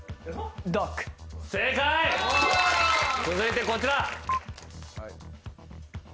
続いてこちら。